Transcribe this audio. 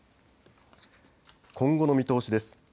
今後の見通しです。